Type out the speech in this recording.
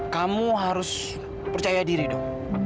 kamu harus percaya diri dong